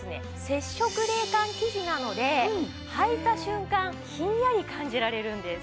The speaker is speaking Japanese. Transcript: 接触冷感生地なのではいた瞬間ひんやり感じられるんです。